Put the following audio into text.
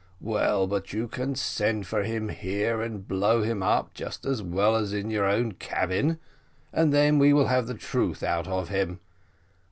"Well, but you can send for him here and blow him up just as well as in your own cabin, and then we will have the truth out of him."